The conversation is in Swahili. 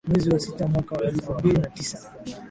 Mwezi wa sita mwaka wa elfu mbili na tisa